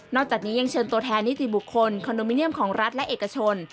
จากนี้ยังเชิญตัวแทนนิติบุคคลคอนโดมิเนียมของรัฐและเอกชน